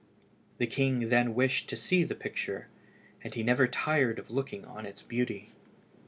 The king then wished to see the picture, and he never tired of looking on its beauty.